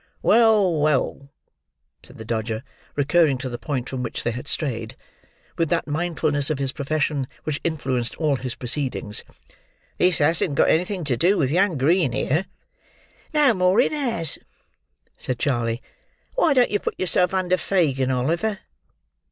"Well, well," said the Dodger, recurring to the point from which they had strayed: with that mindfulness of his profession which influenced all his proceedings. "This hasn't got anything to do with young Green here." "No more it has," said Charley. "Why don't you put yourself under Fagin, Oliver?"